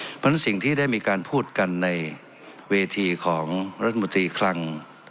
เพราะฉะนั้นสิ่งที่ได้มีการพูดกันในเวทีของรัฐมนตรีคลัง